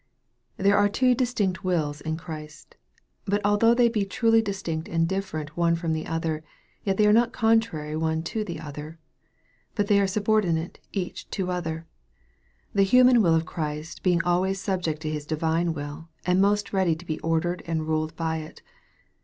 There are two distinct wills in Christ But although they be truly distinct and different one from the other, yet they are not contrary one to the other, but they are subordinate each to other ; the human will of Christ being always subject to His divine will, and most ready to be ordered and ruled by it.